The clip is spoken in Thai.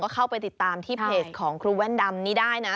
เข้าไปติดตามที่เพจของครูแว่นดำนี้ได้นะ